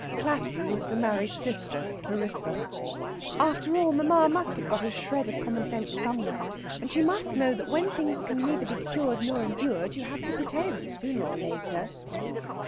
Classy was the married sister, Clarissa. "After all, mamma must have got a shred of common sense somewhere, and she must know that when things can neither be cured nor endured you have to pretend, sooner or later."